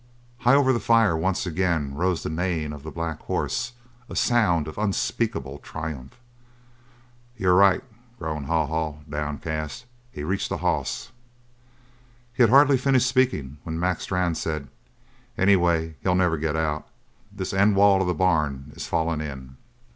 High over the fire, once again rose the neighing of the black horse, a sound of unspeakable triumph. "You're right," groaned Haw Haw, downcast. "He's reached the hoss!" He had hardly finished speaking when Mac Strann said: "Anyway, he'll never get out. This end wall of the barn is fallin' in."